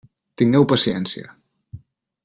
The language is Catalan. Tingueu paciència!